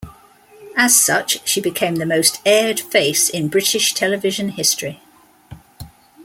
As such she became the most aired face in British television history.